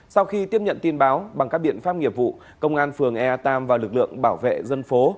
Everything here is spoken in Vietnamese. sau khi tiếp nhận tin báo bằng các biện pháp nghiệp vụ công an phường ea tam và lực lượng bảo vệ dân phố